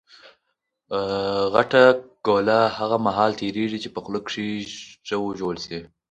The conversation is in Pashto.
غټه ګوله هغه مهال تېرېږي، چي په خوله کښي ښه وژول سي.